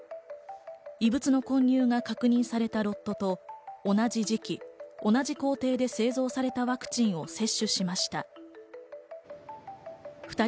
異物の混入が確認されたロットと同じ時期、同じ工程で製造されたワクチンを接種しました。